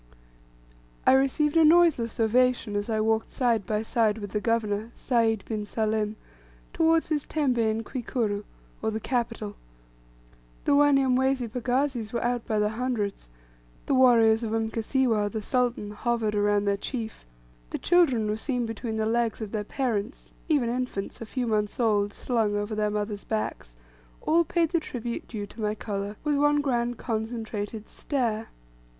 I received a noiseless ovation as I walked side by side with the governor, Sayd bin Salim, towards his tembe in Kwikuru, or the capital. The Wanyamwezi pagazis were out by hundreds, the warriors of Mkasiwa, the sultan, hovered around their chief, the children were seen between the legs of their parents, even infants, a few months old, slung over their mothers' backs, all paid the tribute due to my colour, with one grand concentrated stare.